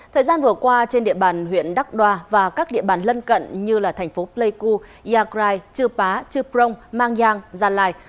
thời gian vừa qua trên địa bàn huyện đắk đoa và các địa bàn lân cận như thành phố pleiku yagrai chư pá chư prong mangyang gia lai